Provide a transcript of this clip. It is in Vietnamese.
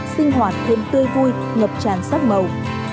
sinh hoạt thêm tươi vui ngập tràn sắc màu